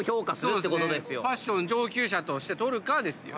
ファッション上級者として取るかですよ。